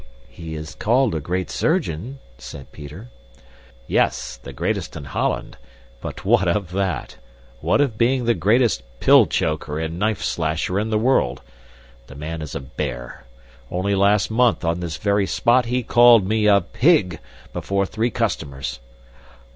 "He is called a great surgeon," said Peter. "Yes, the greatest in Holland. But what of that? What of being the greatest pill choker and knife slasher in the world? The man is a bear. Only last month on this very spot, he called me a PIG, before three customers!"